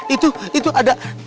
itu itu ada